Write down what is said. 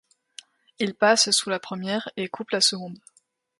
Ils passent sous la première et coupent la seconde.